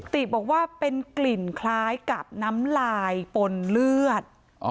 ติบอกว่าเป็นกลิ่นคล้ายกับน้ำลายปนเลือด